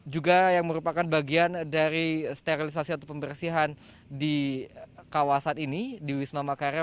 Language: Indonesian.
juga yang merupakan bagian dari sterilisasi atau pembersihan di kawasan ini di wisma makara